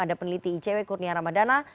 ada peneliti icw kurnia ramadana